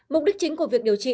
mục đích chính của việc điều trị